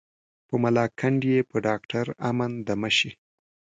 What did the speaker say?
په ملاکنډ یې په ډاکټر امن دمه شي.